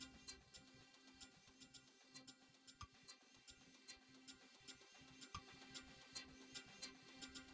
yang akan mencabut jiwa kalian berdua